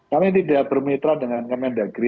kami tidak bermitra dengan kemen negeri